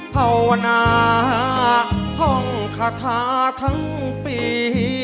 ภาวนาท่องคาถาทั้งปี